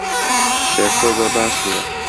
شێرکۆ زۆر باش نییە.